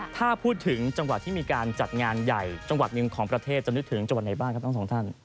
ถ้าพูดถึงจังหวัดที่มีการจัดงานใหญ่จังหวัดหนึ่งของประเทศจะนึกถึงจังหวัดไหนบ้างครับทั้งสองท่าน